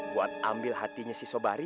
buat ambil hatinya si sobari